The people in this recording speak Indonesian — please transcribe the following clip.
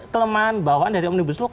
kelemahan bawaan dari omnibus law